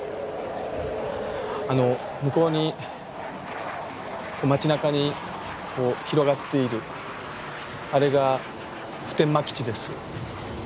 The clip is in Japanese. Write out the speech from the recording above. あの向こうに街なかに広がっているあれが普天間基地です。